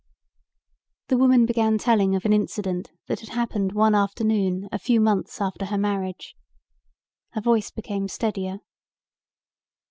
The woman began telling of an incident that had happened one afternoon a few months after her marriage. Her voice became steadier.